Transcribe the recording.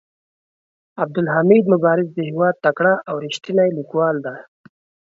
عبدالحمید مبارز د هيواد تکړه او ريښتيني ليکوال دي.